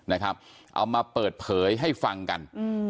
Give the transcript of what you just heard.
เอามาเปิดเผยให้ฟังกัน